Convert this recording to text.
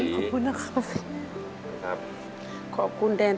ขอบคุณนะครับ